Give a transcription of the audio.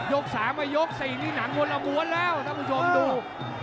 ยกสามแล้วยกสี่นี่หนังมนต์ระบวนแล้วท่านผู้ชมดู